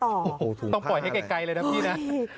ถุงผ้าอะไรต้องปล่อยให้ไกลเลยนะพี่นะ